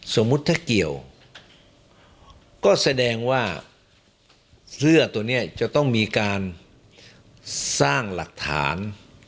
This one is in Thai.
สมมุติถ้าเกี่ยวก็แสดงว่าเสื้อตัวนี้จะต้องมีการสร้างหลักฐาน